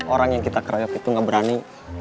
orang yang kita keroyok itu gak berani